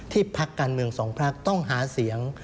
ที่ภาคการเมืองสองภาคต้องหาเสียง